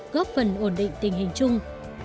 góp phần ổn định tình hình chung